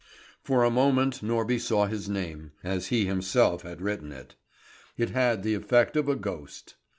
For a moment Norby saw his name, as he himself had written it. It had the effect of a ghost.